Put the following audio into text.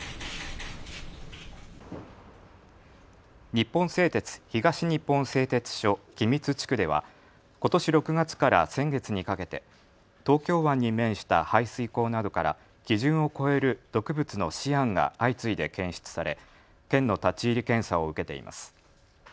日本製鉄東日本製鉄所君津地区では、ことし６月から先月にかけて東京湾に面した排水口などから基準を超える毒物のシアンが相次いで検出され、県の立ち入り検査を受けています。